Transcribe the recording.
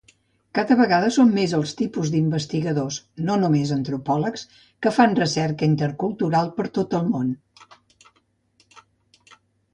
Cada vegada són més els tipus d'investigadors, no només antropòlegs, que fan recerca intercultural per tot el món.